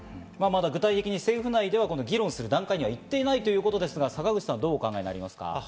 具体的に政府内では議論する段階には行っていないということですが坂口さん、どうお考えですか？